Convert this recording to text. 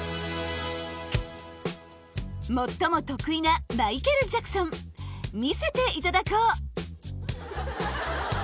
最も得意なマイケル・ジャクソン見せていただこう！